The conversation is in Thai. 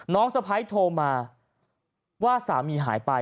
สะพ้ายโทรมาว่าสามีหายไป